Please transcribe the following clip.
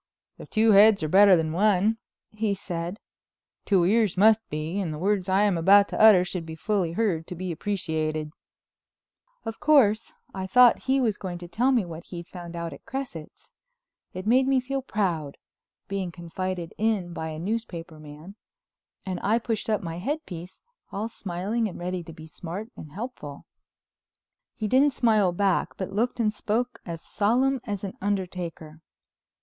"If two heads are better than one," he said, "two ears must be; and the words I am about to utter should be fully heard to be appreciated." Of course I thought he was going to tell me what he'd found out at Cresset's. It made me feel proud, being confided in by a newspaper man, and I pushed up my headpiece, all smiling and ready to be smart and helpful. He didn't smile back but looked and spoke as solemn as an undertaker.